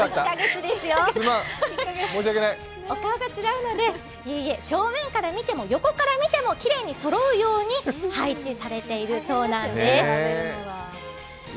お顔が違うので正面から見ても、横から見ても、きれいにそろうように配置されているそうなんです。